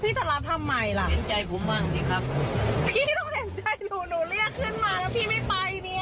พี่ต้องเห็นใจดูเรียกขึ้นมาแล้วพี่ไม่ไปเนี่ย